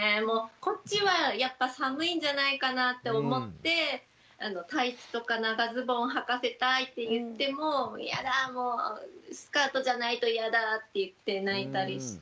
こっちはやっぱ寒いんじゃないかなって思ってタイツとか長ズボンをはかせたいって言っても「嫌だもうスカートじゃないと嫌だ」って言って泣いたりして。